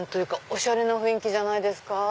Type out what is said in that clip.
おしゃれな雰囲気じゃないですか。